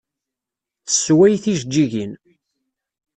Tessewway tijeǧǧigin.